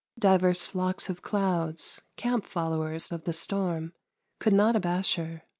Divers flocks of clouds, camp followers of the storm, could not abash her.